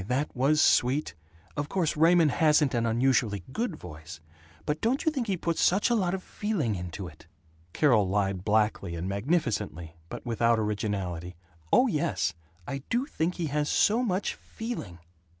That was sweet! Of course Raymond hasn't an unusually good voice, but don't you think he puts such a lot of feeling into it?" Carol lied blackly and magnificently, but without originality: "Oh yes, I do think he has so much FEELING!"